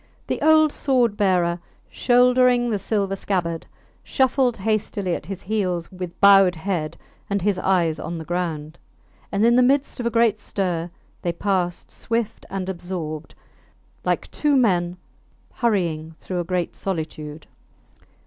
The old sword bearer, shouldering the silver scabbard, shuffled hastily at his heels with bowed head, and his eyes on the ground. And in the midst of a great stir they passed swift and absorbed, like two men hurrying through a great solitude.